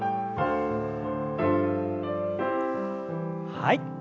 はい。